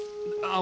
あ？